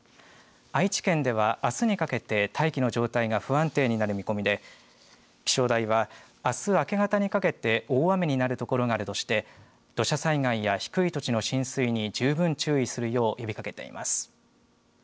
愛知県ではあすにかけて大気の状態が不安定になる見込みで気象台は、あす明け方にかけて大雨になる所があるとして土砂災害や低い土地の浸水に十分注意するよう呼びかけています。